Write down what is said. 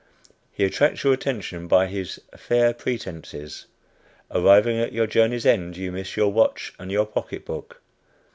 He attracts your attention by his "fair pretences." Arriving at your journey's end, you miss your watch and your pocket book.